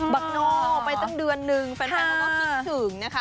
ักโน่ไปตั้งเดือนนึงแฟนเขาก็คิดถึงนะคะ